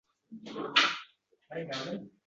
Choy ho‘plab-ho‘plab o‘yladi.